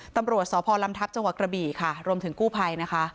ตำรวจสพลำทับจกระบีค่ะรวมถึงกู้ภัยนะคะ